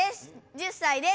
１０歳です。